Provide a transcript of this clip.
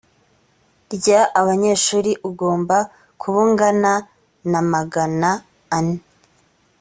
rya abanyeshuri ugomba kuba ungana namagana ane